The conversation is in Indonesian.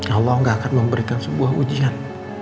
allah gak akan memberikan sebuah ujian